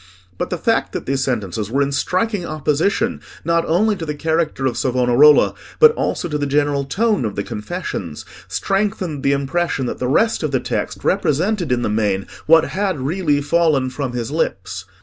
But the fact that these sentences were in striking opposition, not only to the character of Savonarola, but also to the general tone of the confessions, strengthened the impression that the rest of the text represented in the main what had really fallen from his lips.